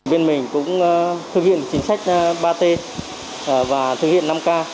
bên mình cũng thực hiện chính sách ba t và thực hiện năm k